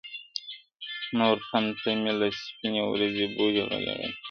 تور تم ته مي له سپیني ورځي بولي غلی غلی-